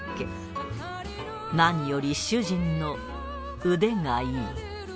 何より主人の腕がいい